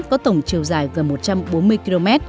có tổng chiều dài gần một trăm bốn mươi km